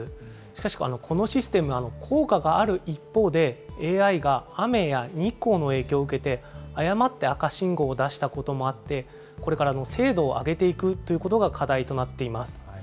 しかし、このシステム、効果がある一方で、ＡＩが雨や日光の影響を受けて、誤って赤信号を出したこともあって、これから精度を上げていくということが課題となっています。